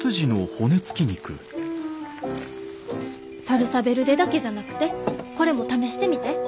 サルサ・ヴェルデだけじゃなくてこれも試してみて。